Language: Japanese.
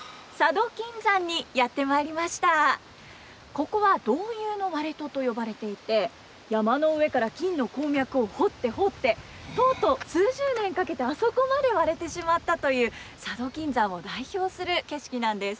ここは「道遊の割戸」と呼ばれていて山の上から金の鉱脈を掘って掘ってとうとう数十年かけてあそこまで割れてしまったという佐渡金山を代表する景色なんです。